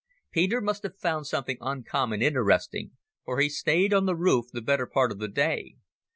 Peter must have found something uncommon interesting, for he stayed on the roof the better part of the day.